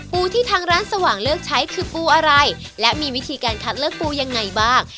ที่ทางร้านสว่างเลือกใช้คือปูอะไรและมีวิธีการคัดเลือกปูยังไงบ้าง